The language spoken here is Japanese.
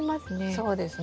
そうですね。